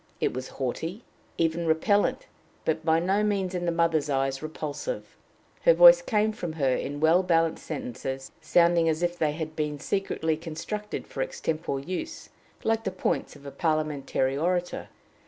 It was haughty, even repellent, but by no means in the mother's eyes repulsive. Her voice came from her in well balanced sentences, sounding as if they had been secretly constructed for extempore use, like the points of a parliamentary orator.